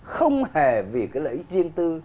không hề vì cái lợi ích riêng tư